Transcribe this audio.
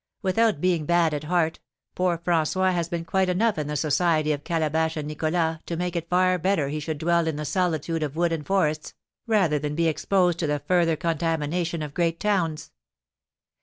Without being bad at heart, poor François has been quite enough in the society of Calabash and Nicholas to make it far better he should dwell in the solitude of woods and forests, rather than be exposed to the further contamination of great towns.